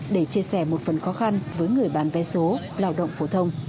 để chia sẻ một phần khó khăn với người bán vé số lao động phổ thông